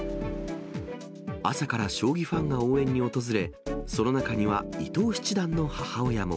朝から将棋ファンが応援に訪れ、その中には伊藤七段の母親も。